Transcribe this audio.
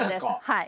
はい！